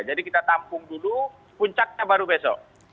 jadi kita tampung dulu puncaknya baru besok